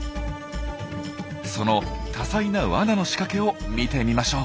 その多彩なワナの仕掛けを見てみましょう。